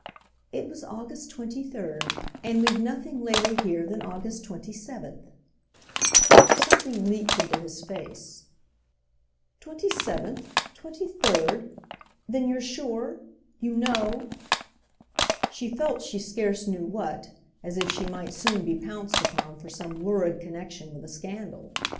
"It was August 23rd, and we've nothing later here than August 27th." Something leaped into his face. "27th—23rd? Then you're sure? You know?" She felt she scarce knew what—as if she might soon be pounced upon for some lurid connexion with a scandal.